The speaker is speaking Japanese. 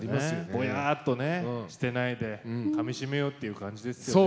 ぼやっとねしてないでかみしめようっていう感じですよね。